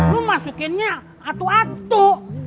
lo masukinnya atu atu